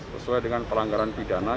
sesuai dengan pelanggaran pidana